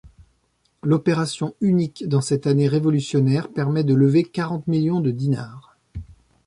L'opération, unique dans cette année révolutionnaire, permet de lever quarante millions de dinars.